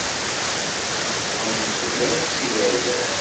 Teffɣemt-d akk s iberdan.